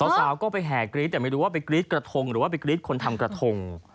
สาวก็ไปแห่กรี๊ดแต่ไม่รู้ว่าไปกรี๊ดกระทงหรือว่าไปกรี๊ดคนทำกระทง